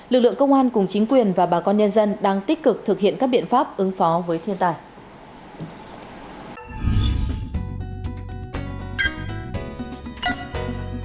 lực lượng công an cùng chính quyền và bà con nhân dân đang tích cực thực hiện các biện pháp ứng phó với thiên tài